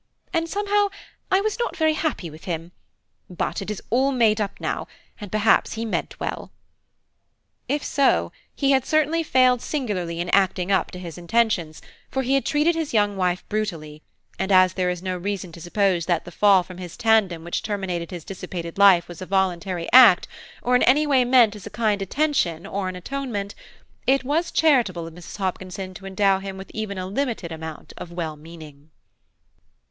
And somehow I was not very happy with him, but it is all made up to me now, and perhaps he meant well." If so, he had certainly failed singularly in acting up to his intentions, for he had treated his young wife brutally; and as there is no reason to suppose that the fall from his tandem which terminated his dissipated life was a voluntary act, or in any way meant as a kind attention or an atonement–it was charitable of Mrs. Hopkinson to endow him with even a limited amount of well meaning.